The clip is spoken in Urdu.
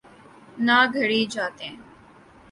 نہ گھڑی جاتیں۔